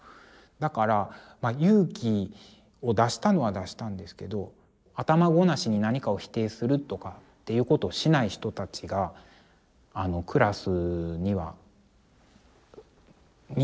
だから勇気を出したのは出したんですけど頭ごなしに何かを否定するとかっていうことをしない人たちがクラスにはみんなそうだったので。